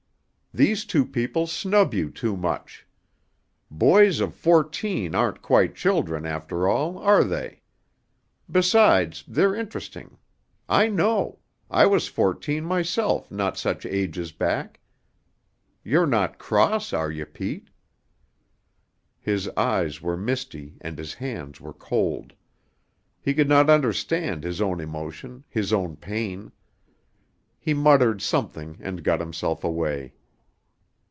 These two people snub you too much. Boys of fourteen aren't quite children, after all, are they? Besides, they're interesting. I know. I was fourteen myself not such ages back. You're not cross, are you, Pete?" His eyes were misty, and his hands were cold. He could not understand his own emotion, his own pain. He muttered something and got himself away.